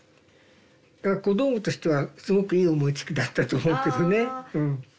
だから小道具としてはすごくいい思いつきだったと思うけどね。